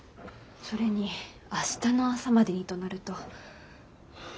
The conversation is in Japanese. それに明日の朝までにとなると。